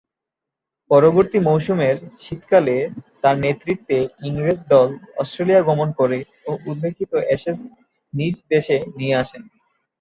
পরবর্তী মৌসুমের শীতকালে তার নেতৃত্বে ইংরেজ দল অস্ট্রেলিয়া গমন করে ও উল্লেখিত অ্যাশেজ নিজ দেশে নিয়ে আসেন।